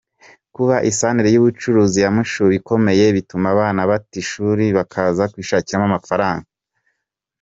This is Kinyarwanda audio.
Kuba isentere y’ubucuruzi ya Mushubi ikomeye bituma abana bata ishuri bakaza kuyishakamo amafaranga.